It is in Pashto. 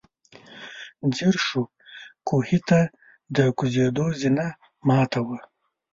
ځير شو، کوهي ته د کوزېدو زينه ماته وه.